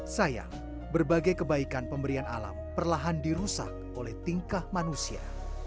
sayang berbagai kebaikan pemberian alam perlahan dirusak oleh tingkah manusia